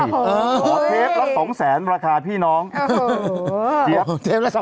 ลงนะพี่หนุ่ม